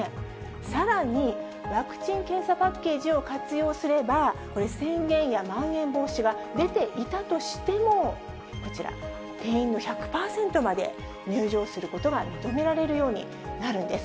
さらにワクチン・検査パッケージを活用すれば、これ、宣言やまん延防止が出ていたとしても、こちら、定員の１００％まで入場することが認められるようになるんです。